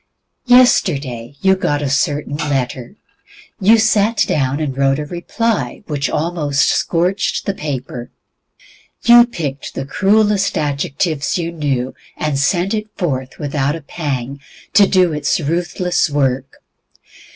Yesterday you got a certain letter. You sat down and wrote a reply which almost scorched the paper. You picked the cruelest adjectives you knew and sent it forth, without a pang to do its ruthless work.